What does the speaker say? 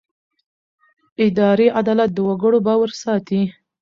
اداري عدالت د وګړو باور ساتي.